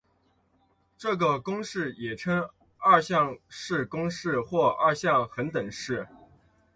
这个公式也称二项式公式或二项恒等式。